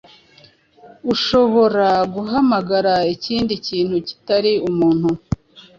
Ushobora guhamagara ikindi kintu kitari umuntu?